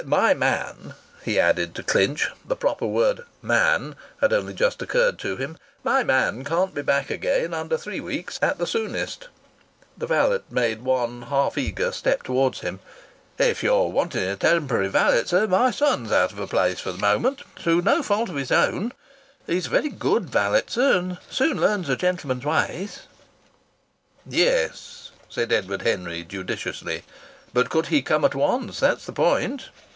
"My man," he added to clinch the proper word "man" had only just occurred to him "my man can't be back again under three weeks at the soonest." The valet made one half eager step towards him. "If you're wanting a temporary valet, sir, my son's out of a place for the moment through no fault of his own. He's a very good valet, sir, and soon learns a gentleman's ways." "Yes," said Edward Henry, judiciously. "But could he come at once? That's the point."